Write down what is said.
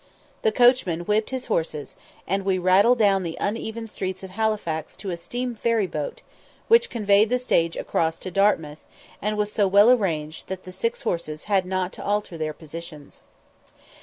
The coachman whipped his horses, and we rattled down the uneven streets of Halifax to a steam ferry boat, which conveyed the stage across to Dartmouth, and was so well arranged that the six horses had not to alter their positions.